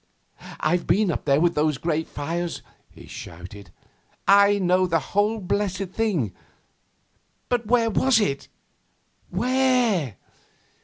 'I've been up there with those great fires,' he shouted. 'I know the whole blessed thing. But where was it? Where?